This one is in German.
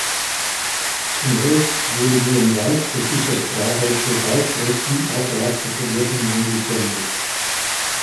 Zunächst wurde nur in weißrussischer Sprache für Weißrussen außerhalb der Sowjetunion gesendet.